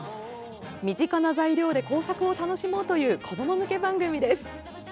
身近な材料で工作を楽しもうという子ども向け番組です。